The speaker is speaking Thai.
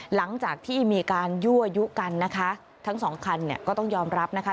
หลังจากที่มีการยั่วยุกันนะคะทั้งสองคันเนี่ยก็ต้องยอมรับนะคะ